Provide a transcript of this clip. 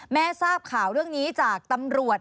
ทราบข่าวเรื่องนี้จากตำรวจ